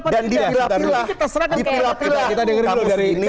dan ini kita serahkan